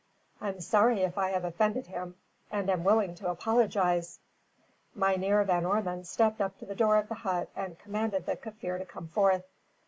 I'm sorry, if I have offended him, and am willing to apologise." Mynheer Van Ormon stepped up to the door of the hut and commanded the Kaffir to come forth.